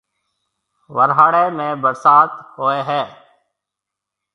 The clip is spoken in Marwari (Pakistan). ورھاݪيَ ۾ ڀرسات ھوئيَ ھيََََ